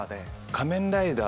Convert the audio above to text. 『仮面ライダー』